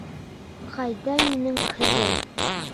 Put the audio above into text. Ҡайҙа минең ҡыҙым?